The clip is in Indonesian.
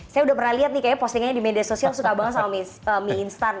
saya udah pernah lihat nih kayaknya postingannya di media sosial suka banget sama mie instan